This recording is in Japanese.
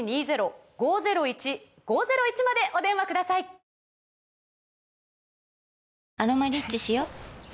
「アロマリッチ」しよ